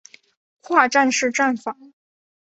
跨站式站房。